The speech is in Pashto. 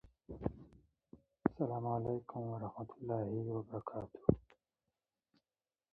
سلام علیکم ورحمته الله وبرکاته